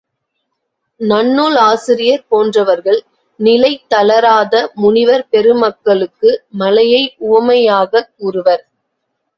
நன்னூல் ஆசிரியர் போன்றவர்கள் நிலைதளராத முனிவர் பெருமக்களுக்கு மலையை உவமையாகக் கூறுவர்.